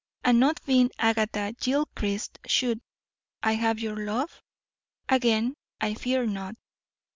And not being Agatha Gilchrist, should I have your love? Again I fear not.